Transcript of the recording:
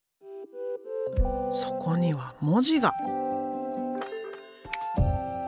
そこには文字が。